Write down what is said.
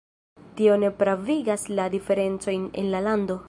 Tio ne pravigas la diferencojn en la lando.